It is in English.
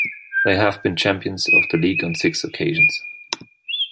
They have been champions of the league on six occasions.